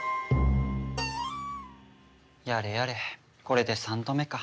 やれやれこれで３度目か。